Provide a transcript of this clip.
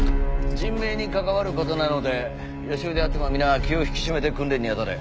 人命に関わることなので予習であっても皆気を引き締めて訓練に当たれ。